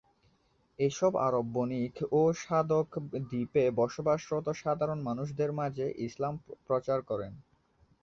এসব আরব বণিক ও সাধক দ্বীপে বসবাসরত সাধারণ মানুষদের মাঝে ইসলাম প্রচার করেন।